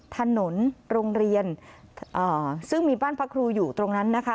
โรงเรียนซึ่งมีบ้านพระครูอยู่ตรงนั้นนะคะ